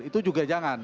itu juga jangan